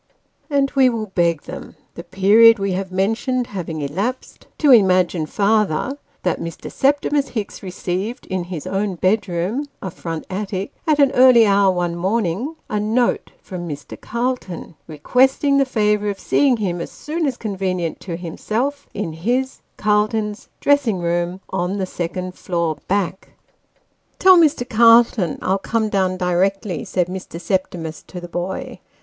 And we will beg them, the period we have mentioned having elapsed, to imagine farther, that Mr. Septimus Hicks received, in his own bedroom (a front attic), at an early hour one morning, a note from Mr. Calton, requesting the favour of seeing him, as soon as convenient to himself, in his (Calton's) dressing room on the second floor back. " Tell Mr. Calton I'll come down directly," said Mr. Septimus to Six Months after. 213 N the boy.